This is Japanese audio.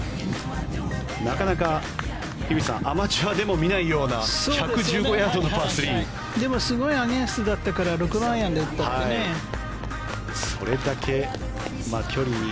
なかなか樋口さんアマチュアでも見ないような１１５ヤードのパー３。でもすごいアゲンストだったからそれだけ距離に。